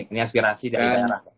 ini aspirasi dari saya